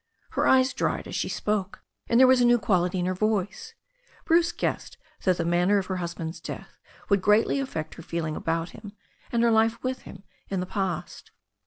Her eyes dried as she spoke, and there was a new quality in her voice. Bruce guessed that the manner of her husband's death would greatly affect her feeling about him and her life with him in the past.